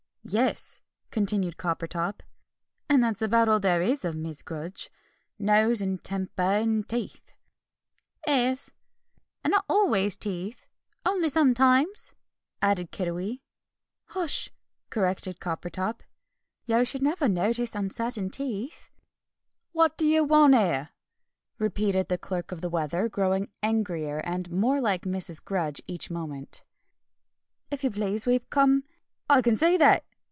"Yes," continued Coppertop, "and that's about all there is of Mrs. Grudge nose, and temper, and teeth." "'Es, and not always teeth, only sometimes," added Kiddiwee. "Hush!" corrected Coppertop, "you should never notice uncertain teeth." [Illustration: The Clerk of the Weather.] "What do you want here?" repeated the Clerk of the Weather, growing angrier and more like Mrs. Grudge each moment. "If you please, we've come " "I can see that!"